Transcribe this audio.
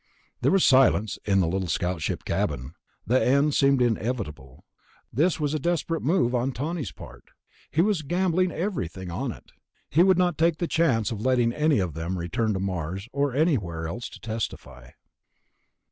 There was silence in the little scout ship cabin. The end seemed inevitable. This was a desperate move on Tawney's part. He was gambling everything on it; he would not take the chance of letting any of them return to Mars or anywhere else to testify.